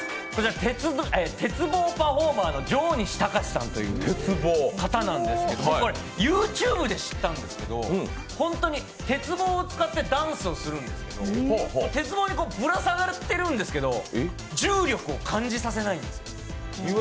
鉄棒パフォーマーの上西隆史さんという方なんですけどＹｏｕＴｕｂｅで知ったんですけど本当に鉄棒を使ってダンスをするんですけど鉄棒にぶら下がっているんですけど、重力を感じさせないんです。